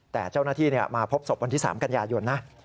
แต่เจ้าหน้าที่มาพบศพวันที่๓กันยายนนะ